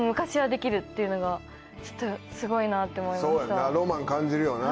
そうやなロマン感じるよな。